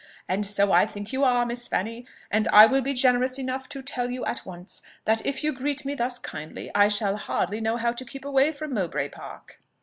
And so I think you are, Miss Fanny; and I will be generous enough to tell you at once, that if you greet me thus kindly, I shall hardly know how to keep away from Mowbray Park."